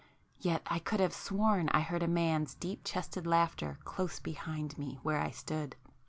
Yet I could have sworn I heard a man's deep chested laughter close behind me where I stood.